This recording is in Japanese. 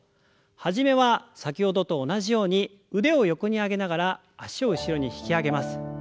始めは先ほどと同じように腕を横に上げながら脚を後ろに引き上げます。